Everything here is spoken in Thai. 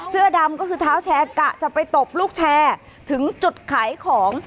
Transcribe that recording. เสื้อดำก็คือเท้าแชร์กะจะไปตบลูกแชร์ถึงจุดขายของ